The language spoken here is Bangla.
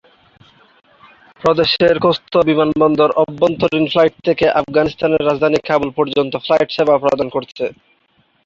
প্রদেশের খোস্ত বিমানবন্দর অভ্যন্তরীণ ফ্লাইট থেকে আফগানিস্তানের রাজধানী কাবুল পর্যন্ত ফ্লাইট সেবা প্রদান করছে।